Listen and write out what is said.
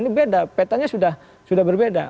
ini beda petanya sudah berbeda